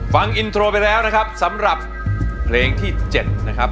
ฟังอินโทรไปแล้วนะครับสำหรับเพลงที่๗นะครับ